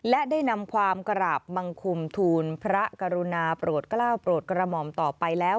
และได้นำความกราบมังคมทูลพระกรุณาโปรดกล้าวโปรดกระหม่อมต่อไปแล้ว